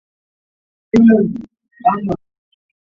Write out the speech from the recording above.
ও গুলি চালায়নি?